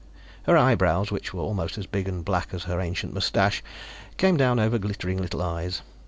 Her eyebrows which were almost as big and black as her ancient mustache came down over glittering little eyes.